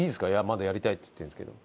まだやりたいって言ってるんですけど。